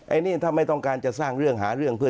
ไอ้นี่ทำให้ใช้ต้องการจะสร้างเรื่องหาเรื่อง